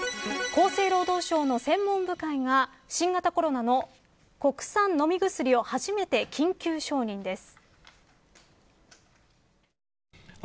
厚生労働省の専門部会が新型コロナの国産飲み薬を初めて緊急承認です。